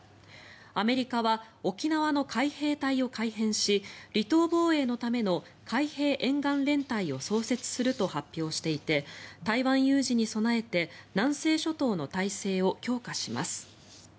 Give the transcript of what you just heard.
アメリカは沖縄の海兵隊を改編し離島防衛のための海兵沿岸連隊を創設すると発表していて台湾有事に備えて南西諸島の態勢を強化します。